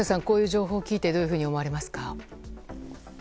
こういう情報を聞いてどういうふうに思われますか。